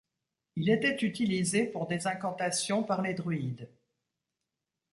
Il était utilisé pour des incantations par les druides.